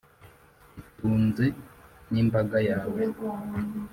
itunze n’imbaga yawe